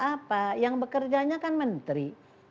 apa yang bekerjanya kan menteri